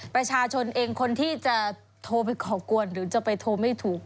ประชาชนเองคนที่จะโทรไปก่อกวนหรือจะไปโทรไม่ถูก